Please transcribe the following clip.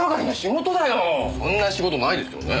そんな仕事ないですよね。